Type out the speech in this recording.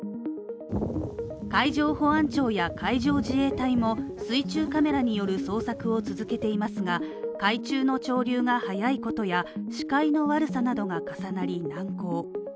海上保安庁や海上自衛隊も水中カメラによる捜索を続けていますが、海中の潮流が速いことや視界の悪さなどが重なり、難航。